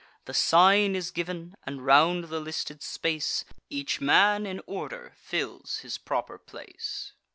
The sign is giv'n; and, round the listed space, Each man in order fills his proper place.